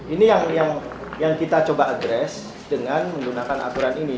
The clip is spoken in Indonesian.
ini yang kita coba addres dengan menggunakan aturan ini